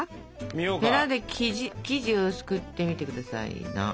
へらで生地をすくってみて下さいな。